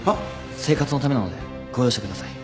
生活のためなのでご容赦ください。